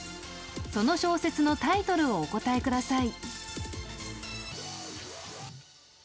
その小説のタイトルをお答えください。